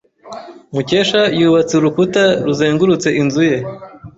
Mukesha yubatse urukuta ruzengurutse inzu ye.